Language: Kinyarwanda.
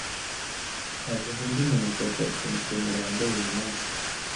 Ntabwo nkunda umunuko wa parufe Musonera yambaye uyumunsi.